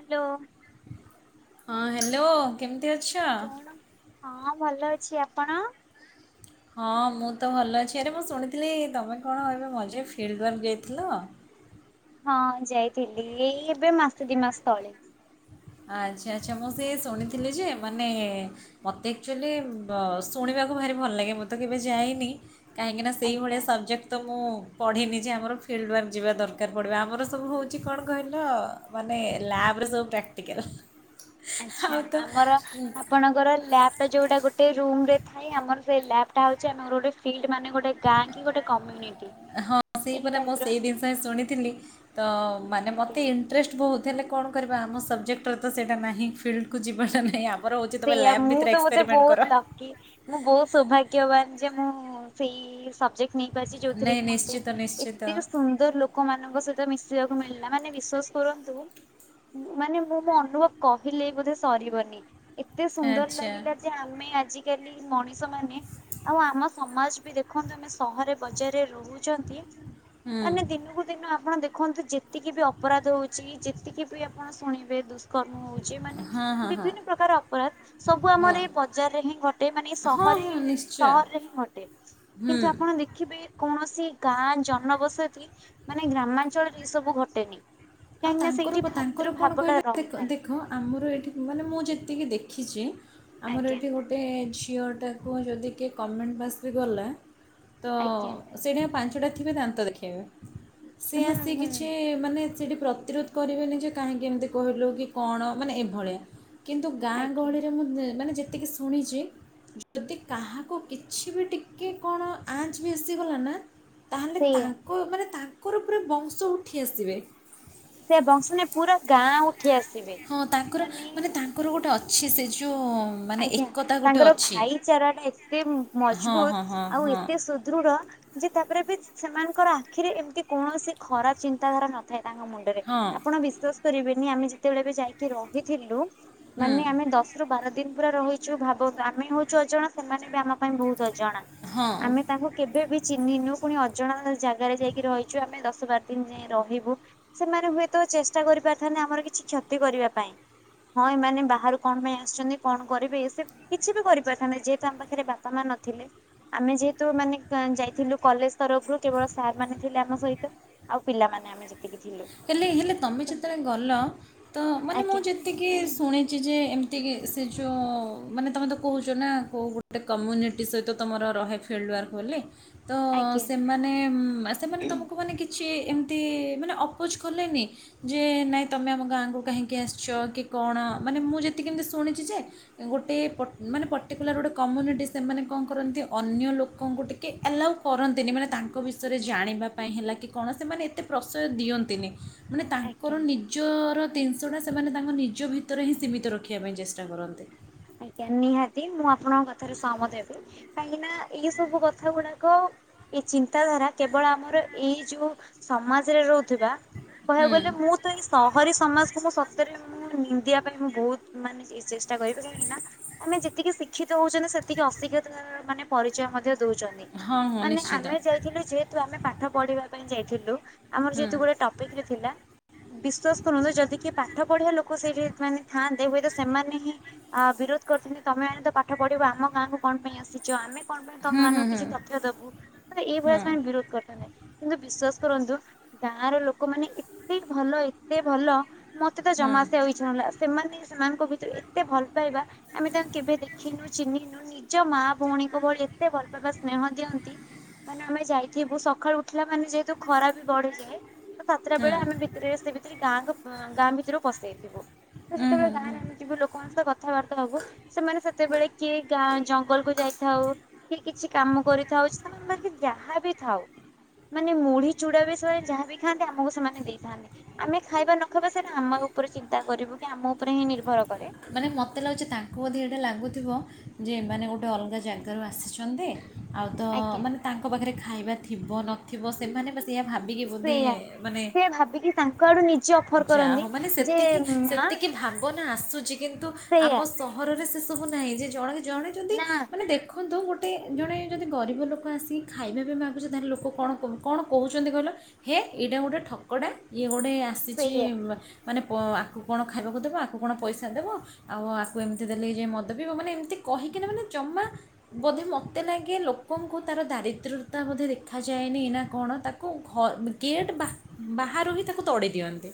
Hello. ହଁ hello. କେମିତି ଅଛ? ହଁ ଭଲ ଅଛି ଆପଣ? ହଁ ମୁଁ ତ ଭଲ ଅଛି ଆରେ ମୁଁ ଶୁଣିଥିଲି ତମେ କଣ ଏବେ ମଝିରେ ଫିଲ୍ଦ ୱାର୍କ ଯାଇଥିଲ? ହଁ ଯାଇଥିଲି ଏଇ ଏବେ ମାସେ ଦି ମାସ ତଳେ। ଆଚ୍ଛା ଆଚ୍ଛା ମୁଁ ସେ ଶୁଣିଥିଲି ଯେ ମାନେ ମତେ ଆକ୍ଚୁଆଲି ଶୁଣିବାକୁ ଭାରି ଭଲ ଲାଗେ ମୁଁ ତ କେବେ ଯାଇନି କାହିଁକି ନା ଆଜ୍ଞା ସେଇଭଳିଆ ସବଜେକ୍ଟ ତ ମୁଁ ପଢ଼ିନି ଯେ ଆମର ଫିଲ୍ଡୱାର୍କ ଯିବା ଦରକାର ପଡ଼ିବ ଆମର ସବୁ ହଉଛି କଣ କହିଲ ମାନେ ଲାବରେ ସବୁ ପ୍ରାକ୍ଟିକାଲ। ଆଉ ଆଛା ତ ଆମର ଆପଣଙ୍କ ର ଲ୍ୟାବ ଟା ଯୋଉଟା ଗୋଟେ ରୁମ ରେ ଥାଏ ଆମର ସେଇ ଲ୍ୟାବ ଟା ହଉଛି ଆମର ଗୋଟେ ଫିଲ୍ଡ ମାନେ ଗୋଟେ ଗାଁ କି ଗୋଟେ କମ୍ୟୁନିଟି। ହଁ ଏଇ ସେହିପରା ମୁଁ ଟାଇପ୍ ର ସେଇ ଜିନିଷ ହିଁ ଶୁଣିଥିଲି ତ ମାନେ ଆଜ୍ଞା ମୋତେ ଇଣ୍ଟରେଷ୍ଟ ବହୁତ ହେଲେ କଣ କରିବା ଆମ ସବଜେକ୍ଟର ତ ସେଇଟା ନାହିଁ ଫିଲ୍ଡକୁ ଯିବାଟା ନାହିଁ ଆ ଆମର ହଉଛି ତମେ ଲ୍ୟାବ ଭିତରେ ଏକ୍ସପେରିମେଣ୍ଟ କର। କି ମୁଁ ବହୁତ ସୌଭାଗ୍ୟବାନ ଯେ ମୁଁ ସେଇ ସବଜେକ୍ଟ ନେଇପାରିଛି ଯୋଉଥିରେ ନାଇଁ କି ମତେ ନିଶ୍ଚିତ ନିଶ୍ଚିତ ଏତେ ସୁନ୍ଦର ଲୋକ ଲୋକମାନଙ୍କ ସହିତ ମିଶିବାକୁ ମିଳିଲା ମାନେ ବିଶ୍ଵାସ କରନ୍ତୁ ମାନେ ମୁଁ ମୋ ଅନୁଭବ କହିଲେ ବୋଧେ ସରିବନି। ଏତେ ସୁନ୍ଦର ଆଚ୍ଛା। ଲାଗିଲା ଯେ ଆମେ ଆଜିକାଲି ମଣିଷ ମାନେ ଆଉ ଆମ ସମାଜ ବି ଦେଖନ୍ତୁ ଆମେ ସହର ବଜାରରେ ରହୁଛନ୍ତି। ମାନେ ଦିନକୁ ହୁଁ। ଦିନ ଆପଣ ଦେଖନ୍ତୁ ଯେତେ ଯେତିକି ବି ଅପରାଧ ହଉଛି ଯେତିକି ବି ଆପଣ ଶୁଣିବେ ଦୁଷ୍କର୍ମ ହଉଛି ମାନେ ହଁ ହଁ ହଁ ବିଭିନ୍ନ ପ୍ରକାର ଅପରାଧ ସବୁ ଆମର ଏ ବଜାରରେ ହିଁ ଘଟେ ମାନେ ହଁ ସହରେ ହଁ ନିଶ୍ଚୟ ସହରରେ ହିଁ ଘଟେ। ହୁଁ। କିନ୍ତୁ ଆପଣ ଦେଖିବେ କୌଣସି ଗାଁ ଜନବସତି ମାନେ ଗ୍ରାମାଞ୍ଚଳରେ ଏଇ ସବୁ ଘଟେନି। ଆଉ କାହିଁକି ନା ସେଇଠି ତାଙ୍କରପା ଭାତୃ ତାଙ୍କର କଣ ଭାବଟା କହିଲେ ରହିଥାଏ। ଦେଖ ଆମର ଏଠି ମାନେ ମୁଁ ଯେତିକି ଦେଖିଛି ଆମର ଆଜ୍ଞା ଏଇଠି ଗୋଟେ ଗୋଟେ ଝିଅଟାକୁ ଯଦି କିଏ କମେଣ୍ଟ ପାସ ବି କଲା ତ ଆଜ୍ଞା ସେଇଟା ପାଞ୍ଚଟା ଥିବେ ଦାନ୍ତ ଦେଖାଇବେ ସେ ହୁଁ ଆସି ହୁଁ କିଛି ମାନେ ସେଇଠି ପ୍ରତିରୋଧ କରିବେନି ଯେ କାହିଁକି ଏମିତି କହିଲୁ କି କଣ ମାନେ ଏଭଳିଆ କିନ୍ତୁ ଗାଁ ଆଜ୍ଞା ଗହଳିରେ ମୁଁ ମାନେ ଯେତିକି ଶୁଣିଛି ଯଦି କାହାକୁ କିଛି ବି ଟିକେ କଣ ଆଞ୍ଚ ବି ଆସିଗଲା ନା ତାହେଲେ ସେଇଆ ତାଙ୍କ ମାନେ ତାଙ୍କର ପୁରା ବଂଶ ଉଠି ଆସିବେ। ସେ ବଂଶ ନାଇଁ ପୁରା ଗାଁ ଉଠି ଆସିବେ। ହଁ ତାଙ୍କର ମାନେ ତାଙ୍କର ଗୋଟେ ଅଛି ସେ ଯେଉ ଉ ଆଜ୍ଞା ତାଙ୍କର ଭାଇଚାରା ଟା ଏତେ ହଁ ମଜବୁତ ହଁ ହଁ ଆଉ ହଁ ଏତେ ସୁଦୃଢ ଯେ ତାପରେ ବି ସେମାନଙ୍କର ଆଖିରେ ଏମିତି କୌଣସି ଖରାପ ଚିନ୍ତାଧାରା ନଥାଏ ତାଙ୍କ ମୁଣ୍ଡ ହଁ ଆପଣ ବିଶ୍ୱାସ କରିବେନି ଆମେ ଯେତେବେଳେ ବି ଯାଇକି ରହିଥିଲୁ ହୁଁ ମାନେ ଆମେ ଦ ସେଥିରୁ ବାର ଦିନ ପୁରା ରହି ଯୋଉ ଭାବନ୍ତୁ ଆମେ ହଉଛୁ ଅଜଣା ସେମାନେ ବି ଆମ ପାଇଁ ବହୁତ ଅଜଣା ହଁ ଆମେ ତାଙ୍କୁ। କେବେ ବି ଚିହ୍ନି ନୁ ପୁଣି ଅଜଣା ଜାଗାରେ ଯାଇକି ରହିଛୁ ଆମେ ଦଶ ବାର ଦିନ ଯାଏଁ ରହିବୁ। ସେମାନେ ହୁଏତ ଚେଷ୍ଟା କରିପାରିଥାନ୍ତେ ଆମର କିଛି କ୍ଷତି କରିବା ପାଇଁ। ହଁ ଏମାନେ ବାହାରୁ କଣ ପାଇଁ ଆସିଛନ୍ତି କଣ କରିବେ ଏ ସେ କିଛି ବି କରିପାରିଥାନ୍ତେ ଯେହେତୁ ଆମ ପାଖରେ ବା ପା ମା ନଥିଲେ। ଆମେ ଯେହେତୁ ମାନେ ଯାଇଥିଲୁ କଲେଜ ତରଫରୁ କେବଳ ସାର୍ ମାନେ ଥିଲେ ଆମ ସହିତ। ଆଉ ପିଲାମାନେ ଆମେ ଯେ ହେଲେ ହେଲେ ତମେ ଯେତେବେଳେ ଗଲ ତ ମାନେ ମୁଁ ଆଜ୍ଞା ଯେତିକି ଶୁଣି। ହେଇଛି ଯେ ଏମିତିକ ସେ ଯୋଉ ମାନେ ତମେ ତ କହୁଛ ନା କୋଉ ଗୋଟେ କମ୍ୟୁନିଟି ସହିତ ତୁମର ରହେ। ଫିଲ୍ଡୱାର୍କ ବୋଲି। ତ ଆଜ୍ଞା ସେମାନେ ସେମାନେ ତୁମକୁ ମାନେ କିଛି ଏମିତି ମାନେ ଅ ଅପୋଜ କଲେନି। ଯେ ନାଇଁ ତମେ ଆମ ଗାଁକୁ କାହିଁକି ଆସିଛ କି କଣ ମାନେ ମୁଁ ଯେତିକ କେମିତି ଶୁଣିଛି ଯେ। ଗୋଟେ ପଟ୍ ମାନେ ପର୍ଟିକୁଲାର ଗୋଟେ କମ୍ୟୁନିଟି ସେମାନେ କଣ କରନ୍ତି ଅନ୍ୟ ଲୋକଙ୍କୁ ଟିକେ। ଆଲାଉ କରନ୍ତିନି ମାନେ ତାଙ୍କ ବିଷୟରେ ଜାଣିବା ପାଇଁ ହେଲା କି କଣ ସେମାନେ ଏତେ ପ୍ରଶୟ ଦିଅ ନ୍ତିନି ମାନେ ଆଜ୍ଞା। ତାଙ୍କର ନି ନିଜର ଜିନିଷଟା ସେମାନେ ତାଙ୍କ ନିଜ ଭିତରେ ହିଁ ସୀମିତ ରଖିବା ପାଇଁ ଚେଷ୍ଟା କରନ୍ତି। ଆଜ୍ଞା ନିହାତି ମୁଁ ଆପଣଙ୍କ କଥାରେ ସହ ମତ ହେବା କାହିଁକି ନା। ଏଇ ସବୁ କଥା ଗୁଡାକ ଏ ଚିନ୍ତାଧାରା କେବଳ ଆମର ଏଇ ଯୋଉ। ସମାଜରେ ରହୁଥିବା କହିବାକୁ ହୁଁ ଗଲେ ମୁଁ ତ ଏଇ ସହରୀ ସମାଜକୁ ମୁଁ ସତରେ। ମୁଁ ନିନ୍ଦିବା ପାଇଁ ମୁଁ ବହୁତ ମାନେ ଏ ଚେଷ୍ଟା କରିବି। କାହିଁକି ନା ଆମେ ଯେତିକି ଶିକ୍ଷିତ ହଉଛନ୍ତି ସେତିକି ଅଶିକ୍ଷିତ ତାର ମାନେ ପରିଚୟ ମଧ୍ୟ ଦଉଛନ୍ତି। ହଁ ହଁ ନିଶ୍ଚିତ। ଯାଇଥିଲ ଯେହେତୁ ଆମେ ପାଠ ପଢିବା ପାଇଁ ଯାଇଥିଲୁ ଆମର ହୁଁ ଯେହେତୁ ଗୋଟେ ଟପିକ ରେ ଥିଲା। ବିଶ୍ଵାସ କରନ୍ତୁ ଯଦି କି ପାଠ ପଢିବା ଲୋକ ସେଇଠି ମାନେ ଥାଆନ୍ତେ ହୁଏତ ସେମାନେ ହିଁ। ଆ ବିରୋଧ କରୁଥାନ୍ତେ ତମେ ମାନେ ତ ପାଠ ପଢିବ ଆମ ଗାଁ କୁ କଣ ପାଇଁ ଆସିଛ ଆମେ। କଣ ପାଇଁ ହୁଁ ତମ ହୁଁ ମାନଙ୍କୁ ହୁଁ କିଛି ତଥ୍ୟ ଦବୁ ତ ହୁଁ ଏଇଭଳିଆ ସେମାନେ ବିରୋଧ। କରିଥାନ୍ତେ କିନ୍ତୁ ବିଶ୍ଵାସ କରନ୍ତୁ ଗାଁର ଲୋକ୍ ଲୋକ ମାନେ ଏତେ ଭଲ ଏତେ ଭଲ ମତେ ତ ହୁଁ ଜମା ଆସି ବାକୁ ଇଛା ସେମାନେ ସେମାନଙ୍କ ଭିତରେ ଏତେ ଭଲ ପାଇବା ଆମେ ତାଙ୍କୁ କେବେ ଦେଖିନୁ ଚିହ୍ନନୁ। ନିଜ ମା ଭଉଣୀକୁ ଭଳି ଏତେ ଭଲ ପାଇବା ସ୍ନେହ ଦିଅନ୍ତି ମାନେ ଆମେ ଯାଇଥିବୁ ସ ସଖାଳୁ ଉଠିଲା ମାନେ ଯେହେତୁ ଖରା ବି ବଢ଼ିଯାଏ। ତ ସାତଟା ହୁଁ ହୁଁ ବେଳେ ଆମେ ଭିତରେ ସେ ଭିତରେ ଗାଁ କୁ ଗାଁ ଭିତରୁ ପସିଯାଇଥିବୁ। ତ ହୁଁ ହୁଁ ସେତେବେଳେ ହୁଁ ଗାଁରେ ଆମେ ଯିବୁ ଲୋକ ମାନଙ୍କ ସହ କଥାବାର୍ତ୍ତା ହବୁ। ସେମାନେ ସେତେବେଳେ କିଏ ଗାଁ ଜଙ୍ଗଲ କୁ ଯାଇଥାଉ। କି କିଛି କାମ କରିଥାଉ କି ସେମାନେ ଯାହା ବିି ଥାଉ। ମାନେ ମୁଢି ଚୁଡା ବି ସେମାନେ ଯାହାବି ଖାଆନ୍ତି ଆମକୁ ସେମାନେ ଦେଇଥାନ୍ତି। ଆମେ ଖାଇବା ନ ଖାଇବା ସେଟା ଆମ ଉପରେ ଚିନ୍ତା କରିବୁ କି ଆମ ଉପରେ ହିଁ ନିର୍ଭର କରେ। ମାନେ ମତେ ଲାଗୁଛି ତାଙ୍କୁ ବୋଧେ ଏଇଟା ଲାଗୁଥିବ ଯେ ଏମାନେ ଗୋଟେ ଅଲଗା ଜାଗାରୁ ଆସିଛନ୍ତି। ଆଉ ତ ଆଜ୍ଞା। ମାନେ ତାଙ୍କ ପାଖରେ ଖାଇବା ଥିବ ନଥିବ ସେମାନେ ବି ସେଇଆ ଭାବିକି। ବୋଧେ ସେଇଆ ମାନେ ସେ ଭାବିକି ତାଙ୍କ ଆଡୁ ନିଜେ ଅଫର ଯା ହ କରନ୍ତି। ଉ ମାନେ ଯେ ସେତିକି ମା ସେତିକି। କି ଭାବନା ଆସୁଛି। କିନ୍ତୁ ଆମ ସେଇଆ ସହରରେ ସେ ସବୁ ନାହିଁ ଯେ ଜଣେ ଜଣେ ଯଦି ନା ମାନେ ଦେ ଦେଖନ୍ତୁ ଗୋଟେ ଜଣେ ଯଦି ଗରିବ ଲୋକ ଆସିକି ଖାଇବା ବି ମାଗୁଛି ତାହେଲେ ଲୋକେ କଣ କହୁଛନ୍ତି କହିଲ। ହେ ଏଇଟା ଗୋଟେ ଠକଡା ଇଏ ଗୋଟେ ସେଇଆ। ଆକୁ କଣ ଖଇବାକୁ କଣ ପ ଇଶା ଦେବ ଆଉ ଆକୁ ଏମିତି ଦେଲେ ମଦ ପିଇବ ମାନେ ଏମତି କହିକିନା ମାନେ ଜମା ବୋଧେ ମତେ ଲାଗେ ଲୋକଙ୍କୁ ତାର ଦାରିଦ୍ର୍ୟତା ବୋଧେ ଦେଖାଯାଏନି ନା କଣ ତାକୁ ତା ଘର ଗେଟ୍ ବାହାରୁ ହିଁ ତାକୁ ତଡି ଦିଅନ୍ତି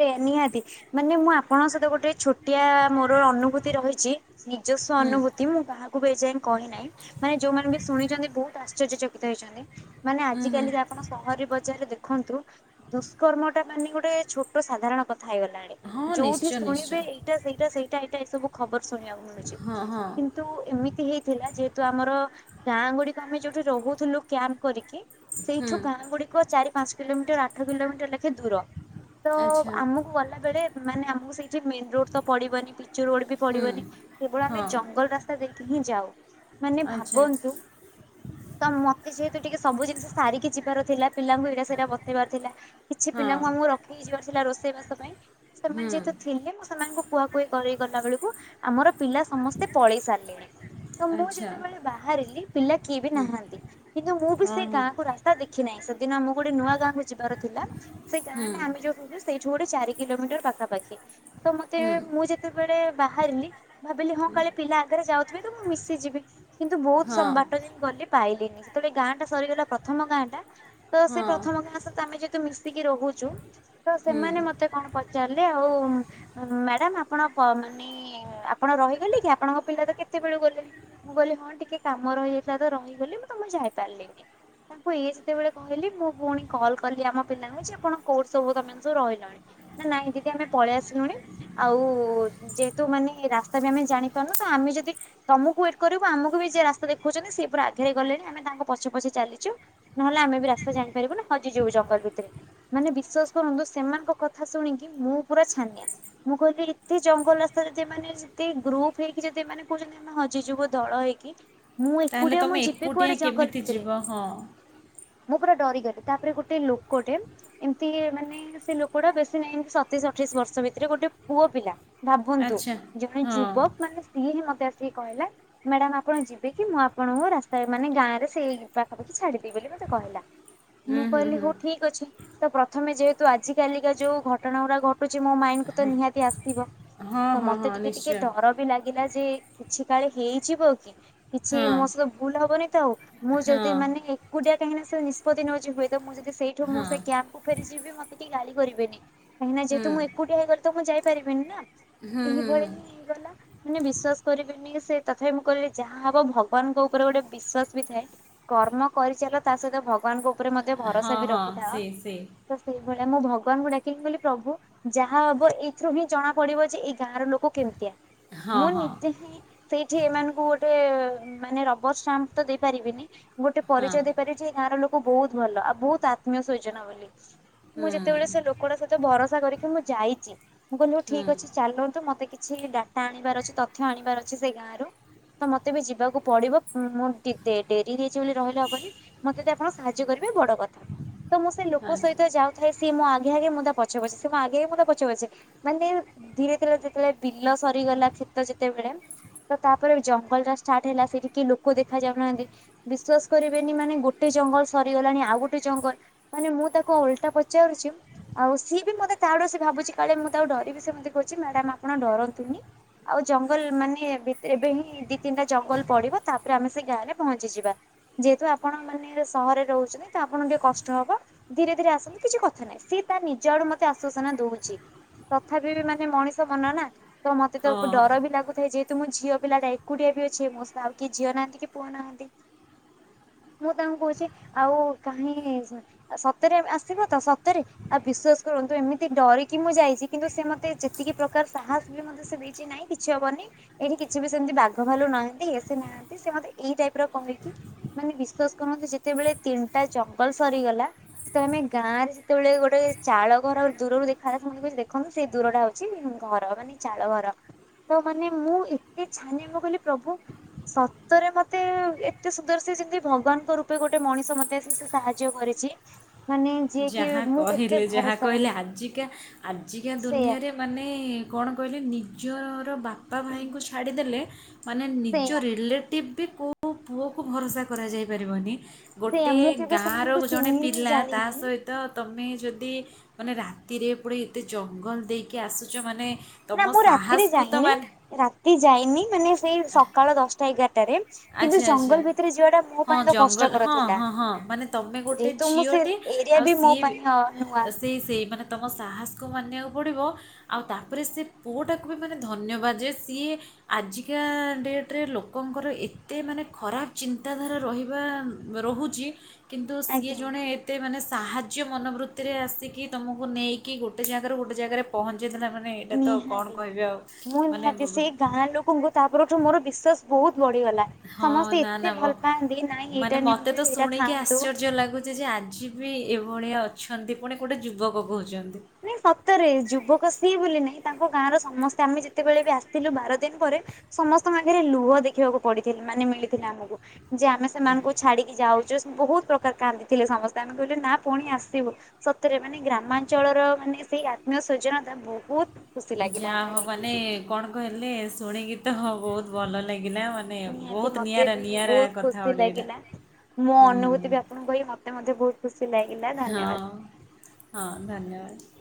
ସେ ନିହାତି ମାନେ ମୁଁ ଆପଣଙ୍କ ସହିତ ଗୋଟେ ଛୋଟିଆ ମୋର ଅନୁଭୂତି ରହିଛି ନିଜସ୍ୱ ହୁଁ ଅନୁଭୂତି ମୁଁ କାହାକୁ ଏଯାଏ କହି ନାହିଁ ମାନେ ଯୋଉମାନେ ବି ଶୁଣିଛନ୍ତି ବହୁତ ଆଶ୍ଚର୍ଯ୍ୟଚକିତ ହେଇଛନ୍ତି ମାନେ ହୁଁ ଆଜି ହୁଁ କାଲି ଆପଣ ସହରୀ ବଜାରରେ ଦେଖନ୍ତୁ ଦୁଷ୍କର୍ମ ଟା ମାନେ ଗୋଟେ ଛୋଟ ସାଧାରଣ କଥା ହେଇଗଲାଣି ହଁ ଯୋଉଠି ନିଶ୍ଚୟ ଶୁଣିବେ ନିଶ୍ଚୟ ଏଇଟା ସେଇଟା ସେଇଟା ଏଇଟା ଏଇ ସବୁ ଖବର ଶୁଣିବାକୁ ମିଳୁଛି ହଁ ହଁ କିନ୍ତ ଏମିତି ହେଇଥିଲା ଯେହେତୁ ଆମର ଗାଁ ଗୁଡିକ ଆମେ ଯୋଉଠି ରହୁଥିଲୁ କ୍ୟାମ୍ପ କରିକି ହୁଁ ସେଇଠୁ ଗାଁ ଗୁଡିକ ଚାରି ପାଞ୍ଚ କିଲୋମିଟର ଆଠ କିଲୋମିଟର ଲେଖା ଦୂର ତ ଆଚ୍ଛା ଆମକୁ ଗଲା ବେଳେ ମାନେ ଆମକୁ ସେଇଠି ମେନ ରୋଡ ତ ପଡିବନି ପିଚୁ ରୋଡ ବି ହୁଁ ପଡିବନି କେବଳ ଆମେ ହଁ ଜଙ୍ଗଲ ରାସ୍ତା ଦେଖିକି ହିଁ ଯାଉ ମାନେ ଆଚ୍ଛା ଭାବନ୍ତୁ ତ ମତେ ସେହେତୁ ଟିକେ ସବୁ ଜିନିଷ ସାରିକି ଯିବାର ଥିଲା ପିଲାଙ୍କୁ ଏଇଟା ସେଇଟା ବତେଇବାର ଥିଲା। କିଛି ହଁ ପିଲାଙ୍କୁ ଆମକୁ ରଖି ଯିବାର ଥିଲା ରୋଷେଇବାସ ପାଇଁ ତ ସେମାନେ ହୁଁ ଯେହେତୁ ଥିଲେ ମୁଁ ସେମାନଙ୍କୁ କୁହାକୁହି କରେଇ ଗଲା ବେଳକୁ ଆମର ପିଲା ସମସ୍ତେ ପଳେଇ ସାରିଲେଣି। ତ ମୁଁ ଆଚ୍ଛା ଯେତେବେଳେ ବାହାରିଲି ପିଲା କିଏ ବି ହୁଁ ନାହାନ୍ତି କିନ୍ତୁ ମୁଁ ବି ହଁ ସେ ହଁ ଗାଁକୁ ରାସ୍ତା ଦେ ଦେଖି ନାହିଁ ସେଦିନ ଆମକୁ ଗୋଟେ ନୂଆ ଗାଁକୁ ଯିବାର ଥିଲା ସେ ଗାଁ ହୁଁ ଟା ଆମେ ସେଇଠୁ ଗୋଟେ ଚାରି କିଲମିଟର ପାଖାପାଖି ତ ମତେ ହୁଁ ମୁଁ ଯେ ଯେତେବେଳେ ବାହାରିଲି ଭାବିଲି ହଁ କାଳେ ପିଲା ଆଗରେ ଯାଉଥିବେ ତ ମୁଁ ମିଶିଯିବି। କିନ୍ତୁ ବହୁତ ହଁ ବାଟ ଯେ ଗଲି ପାଇଲିନି। ଯେତେବେଳେ ଗାଁଟା ସରିଗଲା ପ୍ରଥମ ଗାଁଟା ତ ସେଇ ହଁ ପ୍ରଥମ ଗାଁ ସହିତ ଆମେ ଯେହେତୁ ମିଶିକି ରହୁଚୁ ତ ହୁଁ ସେମାନେ ମତେ କଣ ପଚାରିଲେ ଆଉ ମ୍ୟାଡାମ୍ ଆପଣ ପ ମାନେ ଆପଣ ରହିଗଲେ କି ଆପଣଙ୍କ ପିଲା ତ କେତେବେଳୁ ଗଲେଣି। ମୁଁ କହିଲି ହଁ ଟିକେ କାମ ରହିଯାଇଥିଲା ତ ରହିଗଲି ମୁଁ ତ ଯାଇପାରିଲିନି। ତାଙ୍କୁ ଏୟା ଯେତେବେଳେ କହିଲେ ମୁଁ ପୁଣି କଲ୍ କଲି ଆମ ପିଲାଙ୍କୁ ଜେ ଆପଣ କୋଉଠ ସବୁ ତମେମାନେ ସବୁ ରହିଲଣି? ନା ନାଇଁ ଦିଦି ଆମେ ପଳେଇ ଆସିଲୁଣି ଆଉ ଯେହେତୁ ମାନେ ଏ ରାସ୍ତା ବି ଆମେ ଜାଣିପାରୁନୁ ତ ଆମେ ଯଦି ତମକୁ ୱେଟ୍ କରିବୁ ଆମକୁ ବି ଯିଏ ରାସ୍ତା ଦେଖଉଛନ୍ତି ସେ ପୁରା ଆଗେରେ ଗଲେଣି ଆମେ ତାଙ୍କ ପଛେ ପଛେ ଚାଲିଚୁ। ନହେଲେ ଆମେ ବି ରାସ୍ତା ଜାଣିପାରିବୁନି ହଜିଯିବୁ ଜଙ୍ଗଲ ଭିତରେ। ମାନେ ବିଶ୍ଵାସ କରନ୍ତୁ ସେମାନଙ୍କ କଥା ଶୁଣିକି ମୁଁ ପୁରା ଛାନିଆ। ମୁଁ କହିଲି ଏତେ ଜଙ୍ଗଲ ରାସ୍ତାରେ ଯଦି ଏମାନେ ଯେତେ ଗ୍ରୁପ ହେଇକି ଯଦି ଏମାନେ କହୁଚନ୍ତି ହଜିଯିବୁ ଦଳ ହେଇକି ମୁଁ ତାହେଲେ ଏକୁଟିଆ ମୁଁ ତୁମେ ଯିବି ଏକୁଟିଆ କୁଆଡେ ଜଙ୍ଗଲ କେମିତି ଭିତରେ। ଯିବ ହଁ ମୁଁ ପୁରା ଡରିଗଲି ତାପରେ ଗୋଟେ ଲୋକଟେ ଏମିତି ମାନେ ସେ ଲୋକଟା ବେଶୀ ନାଇ ସତେଇଶି ଅଠେଇଶି ବର୍ଷ ଭିତରେ ଗୋଟେ ପୁଅ ପିଲା। ଭାବନ୍ତୁ ଆଚ୍ଛା ଜଣେ ହଁ ଯୁବକ ମାନେ ସିଏ ହିଁ ମତେ ଆସିକି କହିଲା ମ୍ୟାଡାମ୍ ଆପଣ ଯିବେ କିି ମୁଁ ଆପଣଙ୍କ ରାସ୍ତା ମାନେ ଗାଁରେ ସେଇ ପାଖାପାଖି ଛାଡିଦେବି ବୋଲି ମୋତେ କହିଲା। ଉଁ ମୁଁ ହୁଁ କହିଲି ହୁଁ ହଉ ଠିକ୍ ଅଛି। ତ ପ୍ରଥମେ ଯେହେତୁ ଆଜିକାଲିକା ଯୋଉ ଘଟଣା ଗୁଡା ଘଟୁଚି ମୋ ମାଇଣ୍ଡିକୁୁ ତ ନିହାତି ଆସିବ। ହଁ ତ ହଁ ମତେ ହଁ ଟିକେ ଟିକେ ନିଶ୍ଚୟ ଡର ବି ଲା ଗିଲା ଯେ କିଛି କାଳେ ହେଇଯିବ କି କିଛି ହଁ ମୋ ସହିତ ଭୁଲ ହବନି ତ ଆଉ। ମୁଁ ହଁ ଯଦି ମାନେ ଏକୁଟିଆ କାହିଁକି ନା ସେ ନିଷ୍ପତି ନଉଛି ହୁଏ ତ ମୁଁ ଯଦି ସେଇଠୁ ମୁଁ ହଁ ସେ କ୍ୟାମ୍ପକୁ ଫେରିଯିବି ମତେ କିଏ ଗାଳି କରିବେନି କାହିଁକି ନା ହୁଁ ଯେହେତୁ ମୁଁ ଏକୁଟିଆ ହେଇଗଲି ତ ମୁଁ ଯାଇପାରିବିନି ନା। ଏହିଭଳି ହିଁ ହେଇଗଲା। ମାନେ ବିଶ୍ଵାସ କରିବେନି ସେ ତଥାପି ମୁଁ କହିଲି ଯାହା ହବ ଭଗବାନଙ୍କ ଉପରେ ଗୋଟେ ବିଶ୍ଵାସ ବି ଥାଏ। କର୍ମ କରିଚାଲ ତା ସହିତ ଭଗବାନଙ୍କ ଉପରେ ମଧ୍ୟ ହଁ ଭରସା ବି ହଁ ରଖିଥାଅ। ସେଇ ସେଇ ତ ସେଇଭଳିଆ ମୁଁ ଭଗବାନଙ୍କୁ ଡାକି କହିଲି ପ୍ରଭୁ ଯାହା ହବ ଏଇଥିରୁ ହିଁ ଜଣା ପଡିବ ଯେ ଏ ଗାଁର ଲୋକ କେମିତିଆ। ହଁ ମୁଁ ହଁ ନିଜେ ହିଁ ସେଇଠି ଏମାନଙ୍କୁ ଗୋଟେ ମାନେ ରବର ଷ୍ଟାମ୍ପ ତ ଦେଇପାରିବିନି ଗୋଟେ ପରିଚୟ ହଁ ଦେଇପାରିବି ଯେ ଏ ଗାଁର ଲୋକ ବହୁତ ଭଲ ଆଉ ବହୁତ ଆତ୍ମୀୟ ସୋଜନ ବୋଲି। ମୁଁ ହୁଁ ଯେତେବେଳେ ସେ ଲୋକଟା ସହିତ ଭରସା କରିକି ମୁଁ ଯାଇଚି। ମୁଁ କହିଲି ହଉ ଠିକ୍ ଅଛି ହୁଁ ଚାଲନ୍ତୁ ମୋତେ କିଛି ଡାଟା ଆଣିବାର ଅଛି ତଥ୍ୟ ଆଣିବାର ଅଛି ସେ ଗାଁର। ତ ମତେ ବି ଯିବାକୁ ପଡିବ ମୁଁ ଟି ଡେ ଡେରି ହେଇଚି ବୋଲି ରହିଲେ ହବନି। ମତେ ଯଦି ଆପଣ ସାହାଯ୍ୟ କରିବେ ବଡ କଥା। ତ ମୁଁ ସେ ଲୋକ ସହିତ ଯାଉଥାଏ ସେ ମୋ ଆଘେ ଆଘେ ମୁଁ ତା ପଛେ ପଛେ ସେ ମୋ ଆଗେ ଆଗେ ମୁଁ ତା ପଛେ ପଛେ। ମାନେ ଧୀରେ ଧୀରେ ଯେତେବେଳେ ବିଲ ସରିଗଲା କ୍ଷେତ ଯେତେବେଳେ ତ ତାପରେ ଜଙ୍ଗଲଟା ଷ୍ଟାର୍ଟ ହେଲା ସେଇଠି କିଏ ଲୋକ ଦେଖା ଯାଉନାହାନ୍ତି। ବିଶ୍ଵାସ କରିବେନି ମାନେ ଗୋଟେ ଜଙ୍ଗଲ ସରିଗଲାଣି ଆଉ ଗୋଟେ ଜଙ୍ଗଲ ମାନେ ମୁଁ ତାକୁ ଓଲଟା ପଚାରୁଚି। ଆଉ ସିଏ ବି ମୋତେ ତାଆଡୁ ସେ ଭାବୁଚି କାଳେ ମୁଁ ତାକୁ ଡରିକି ସେମିତି କହୁଚି ମ୍ୟାଡାମ୍ ଆପଣ ଡରନ୍ତୁନି। ଆଉ ଜଙ୍ଗଲ ମାନେ ଭିତରେ ଏବେ ହିଁ ଦି ତିନିଟା ଜଙ୍ଗଲ ପଡିବ ତାପରେ ଆମେ ସେ ଗାଁରେ ପହଞ୍ଚିଯିବା। ଯେହେତୁ ଆପଣ ମାନେ ସହରରେ ରହୁଚନ୍ତି ତ ଆପଣକୁ ଟିକେ କଷ୍ ହବ ଧୀରେ ଧୀରେ ଆସନ୍ତୁ କିଛି କଥା ନାହିଁ ସିଏ ତା ନିଜ ଆଡୁ ମତେ ଆଶ୍ୱାସନା ଦଉଛି। ତଥାପି ବି ମାନେ ମଣିଷ ମନ ନା ତ ମତେ ତ ହଁ ଡର ବି ଲାଗୁଥାଏ ଯେ ତ ମୁଁ ଝିଅ ପିଲାଟା ଏକୁଟିଆ ବି ଅଛି। ମୋ ସଙ୍ଗେ ଆଉ କି ଝିଅ ନାହାନ୍ତି କି ପୁଅ ନାହାନ୍ତି। ମୁଁ ତାଙ୍କୁ କହୁଛି ଆଉ କାହିଁ ସତରେ ଆସିବ ତ ସତରେ। ଆଉ ବିଶ୍ଵାସ କରନ୍ତୁ ଏମିତି ଡରିକି ମୁଁ ଯାଇଛି କିନ୍ତୁ ସେ ମତେ ଯେତିକି ପ୍ରକାର ସାହସ ବି ମୋତେ ସେ ଦେଇ କିଛି ନାଇଁ କିଛି ହବନି। ଏଇଠି କିଛି ବି ସେମିତି ବାଘ ଭାଲୁ ନାହାନ୍ତି ଇଏ ସେ ନାହାନ୍ତି ସେ ମତେ ଏଇ ଟାଇପର କହିକି ମାନେ ବିଶ୍ଵାସ କରନ୍ତୁ ଯେତେବେଳେ ତିନିଟା ଜଙ୍ଗଲ ସରିଗଲା ତ ଆମେ ଗାଁରେ ଯେତେବେଳେ ଗୋଟେ ଚାଳ ଘର ଦୂରରୁ ଦେଖାଗଲା ସେ ମୋତେ କହୁଛି ଦେଖନ୍ତୁ ସେଇ ଦୂରଟା ଅଛି। ଘର ମାନେ ଚାଳ ଘର ତ ମାନେ ମୁଁ ଏତେ ଛାନିଆ ମୁଁ ମାନେ କହିଲି ହେ ପ୍ରଭୁ ସତରେ ମତେ ଏତେ ସୁନ୍ଦର ସେ ଯେମିତି ଭଗବାନଙ୍କ ରୂପେ ଗୋଟେ ମଣିଷ ମତେ ଆସିିକ ସେ ସାହାଯ୍ୟ ଯୋଉ କରିଛି। ମାନେ ଯିଏ କି ଯାହା ମୁଁ ଏତେ କହିଲେ ଯାହା ଭରସା କହିଲେ ଆଜିକା ଆଜିକା ସେଇଆ ଦୁନିଆରେ ମାନେ କଣ କହିଲେ ନିଜର ବାପା ଭାଇଙ୍କୁ ଛାଡ଼ିଦେଲେ ମାନେ ନିଜ ସେଇଆ ରିଲେଟିଭ ବି କେଉଁ ପୁଅକୁ ଭରସା କରାଯାଇ ପାରିବନି। ସେଇଆ ଗୋଟେ ମୁଁ କେବେ ଗାଁର ସେମାନଙ୍କୁ ଜଣେ ଚିହ୍ନିନି ପିଲା ଜାଣିନି ତ ତମେ ଯଦି ମାନେ ରାତିରେ ପୁଣି ଏତେ ଜଙ୍ଗଲ ଦେଇକି ଆସିଛ ମାନେ ତମ ନା ମୁଁ ରାତିରେ ସାହସକୁ ତ ଯାଇନି ମାନେ ରାତି ଯାଇନି ମାନେ ସେଇ ସକାଳ ଦଶଟା ଏଗାରଟାରେ କିନ୍ତୁ ଆଚ୍ଛା ଆଚ୍ଛା ଜଙ୍ଗଲ ଭିତରେ ଯିବାଟା ମୋ ହଁ ପାଇଁ ତ ଜଙ୍ଗଲ କଷ୍ଟକର ହଁ ଥିଲା। ହଁ ହଁ ମାନେ ତମେ ଗୋଟେ ଯେହେତୁ ମୁଁ ସେ ଝିଅଟେ ଇଏ ଆଉ ବି ମୋ ସିଏ ପାଇଁ ହଁ ନୂଆ। ସେଇ ସେଇ ମାନେ ତୁମ ସାହସକୁ ମାନିବାକୁ ପଡ଼ିବ। ଆଉ ତାପରେ ସେ ପୁଅଟାକୁ ବି ମାନେ ଧନ୍ୟବାଦ ଯେ ସିଏ ଆଜିକା ଡେଟରେ ଲୋକଙ୍କର ଏତେ ଏତେ ମାନେ ଖରାପ ଚିନ୍ତାଧାରା ରହିବା ରହୁଛି କିନ୍ତୁ ସିଏ ଆଜ୍ଞା ଜଣେ ଏତେ ମାନେ ସାହାଯ୍ୟ ମନୋବୃତ୍ତିରେ ଆସିକି ତମକୁ ନେଇକି ଗୋଟେ ଜାଗାରୁ ଗୋଟେ ଜାଗାରେ ପହଞ୍ଚାଇଥିଲା ମାନେ ମାନେ ଏଇଟା ତ ନିହାତି। କଣ କହିବେ ଆଉ ମାନେ ଖନ୍ତୁ ତା ପରଠୁ ମୋର ବିଶ୍ୱାସ ବହୁତ ବଢିଗଲା ହଁ ସମସ୍ତେ ନା ଏତେ ନା ନବ ଭଲ ପାଆନ୍ତି ନାଇଁ ଏଇଟା ମାନେ ମତେ ନିଅନ୍ତୁ ତ ସେଇଟା ଶୁଣିକି ଖାଆନ୍ତୁ। ଆଶ୍ଚର୍ଯ୍ୟ ଲାଗୁଛି ଯେ ଆଜି ବି ଏଭଳିଆ ଅଛନ୍ତି ପୁଣି ଗୋଟେ ଯୁବକ କହୁଛନ୍ତି। ନାଇଁ ସତରେ ଯୁବକ ସିଏ ବୋଲି ନାଇଁ ତାଙ୍କ ଗାଁର ସମସ୍ତେ ଆମେ ଯେତେବେଳେ ବି ଆସିଥିଲୁ ବାର ଦିନ ପରେ ସମସ୍ତଙ୍କ ଆଖିରେ ଲୁହ ଦେଖିବାକୁ ପଡିଥିଲେ ମାନେ ମିଳିଥିଲା ଆମକୁ ଯେ ଆମେ ସେମାନଙ୍କୁ ଛାଡିକି ଯାଉଛୁ ବହୁତ ପ୍ରକାର କାନ୍ଦିଥିଲେ ସମସ୍ତେ ଆମେ କହିଲୁ ନା ପୁଣି ଆସିବ ସତରେ ମାନେ ଗ୍ରାମାଞ୍ଚଳର ର ମାନେ ସେଇ ଆତ୍ମୀୟ ସଜନତା ବହୁତ ଖୁସି ଲାଗିଲା ଯାହା ଆମକୁ ହଉ ମାନେ ଦେଖିକି। କଣ କହିଲେ ଶୁଣିକି ତ ବହୁତ ଭଲ ଲାଗିଲା ମତେ ନିହାତି ମତେ ବି ବହୁତ ଖୁସି ଗୋଟେ ଏଇଟା। ଲାଗିଲା ମୋ ହୁଁ ଅନୁଭୂତି ବି ଆପଣଙ୍କୁ କହି ମତେ ସେ ମଧ୍ୟ ବହୁତ ଖୁସି ଲାଗିଲା ହଁ ଧନ୍ୟବାଦ। ହଁ ଧନ୍ୟବାଦ